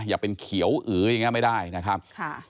อย่าเป็นเขียวอืออย่างนี้ไม่ได้นะครับ